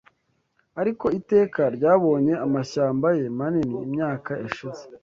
Ariko Iteka ryabonye amashyamba ye manini Imyaka yashize